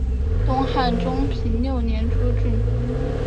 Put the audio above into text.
东汉中平六年诸郡。